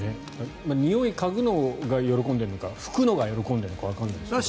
におい嗅ぐのが喜んでるのか拭くのが喜んでるのかわからないですけど。